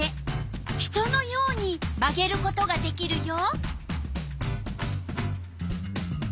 人のように曲げることができるよ。